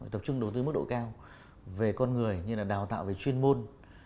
tập trung đầu tư mức độ cao về con người như là đào tạo về chuyên môn